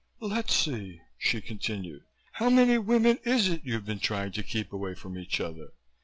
"Let's see," she continued. "How many women is it you've been trying to keep away from each other?